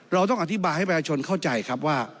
เราต้องอธิบายให้ประชาชนเข้าใจครับว่า